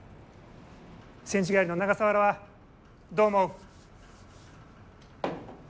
戦地帰りの長笠原はどう思う？